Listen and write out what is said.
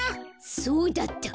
そうだった。